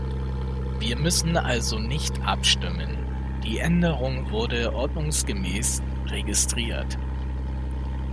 Wir müssen also nicht abstimmen, die Änderung wurde ordnungsgemäß registriert.